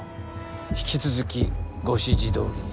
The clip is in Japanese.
引き続きご指示どおりに。